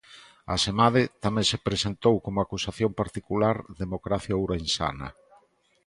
Asemade, tamén se presentou como acusación particular Democracia Ourensana.